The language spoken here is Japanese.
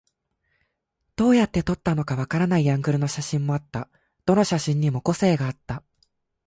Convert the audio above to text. どうやって撮ったのかわからないアングルの写真もあった。どの写真にも個性があった。